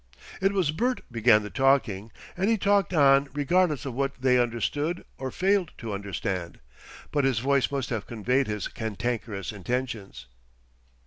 It was Bert began the talking and he talked on regardless of what they understood or failed to understand. But his voice must have conveyed his cantankerous intentions.